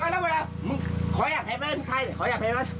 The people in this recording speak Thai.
ความเกิดความเกิด